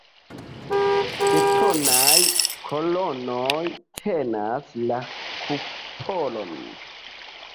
Betonaj kolonoj tenas la kupolon.